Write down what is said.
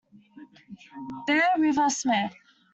"Bear River" Smith.